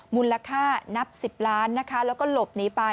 มูลค่านับ๑๐ล้านนะคะแล้วก็หลบหนีไป